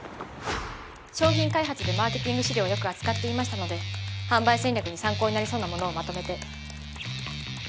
商品開発でマーケティング資料をよく扱っていましたので販売戦略に参考になりそうなものをまとめて。